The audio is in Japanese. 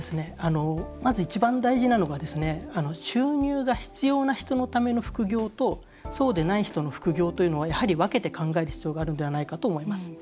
まず一番大事なのが収入が必要な人のための副業とそうでない人の副業というのは分けて考える必要があると思います。